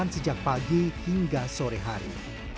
sejak pagi hingga sore hari